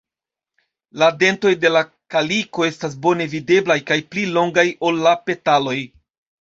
La dentoj de la kaliko estas bone videblaj kaj pli longaj ol la petaloj.